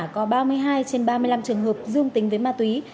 kết quả có ba mươi hai trên ba mươi năm trường hợp dương tính với ma túy